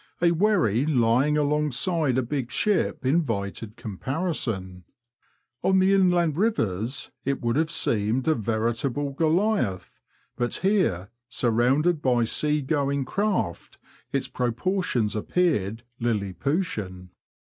A wherry lying alongside a big ship invited comparison. On the inland rivers it would have seemed a veritable Goliath, but here, surrounded by sea going craft, its proportions appeared liliputian.